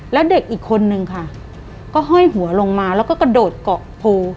แล้วเด็กอีกคนนึงค่ะก็ห้อยหัวลงมาแล้วก็กระโดดเกาะโพ